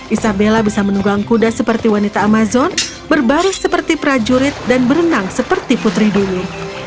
isabella bisa menunggang kuda seperti wanita amazon berbaris seperti prajurit dan berenang seperti putri dulu